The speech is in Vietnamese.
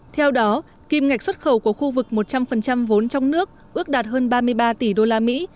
theo đó kim ngạch xuất khẩu của khu vực một trăm linh vốn trong nước ước đạt hơn ba mươi ba tỷ đô la mỹ